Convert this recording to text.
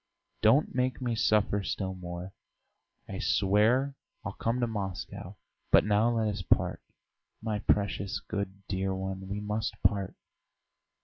Don't make me suffer still more! I swear I'll come to Moscow. But now let us part. My precious, good, dear one, we must part!"